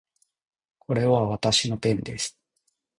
これはわたしのペンです